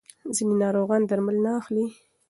ځینې ناروغان درمل نه اخلي.